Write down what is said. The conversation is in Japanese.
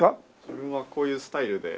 それはこういうスタイルで。